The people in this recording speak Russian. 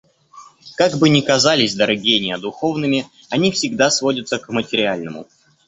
Как бы ни казались дары гения духовными, они всегда сводятся к материальному.